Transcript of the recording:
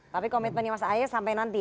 tapi komitmennya mas ahy sampai nanti ya